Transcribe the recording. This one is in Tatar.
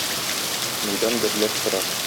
Мәйдан гөрләп тора.